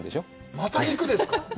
また肉ですか？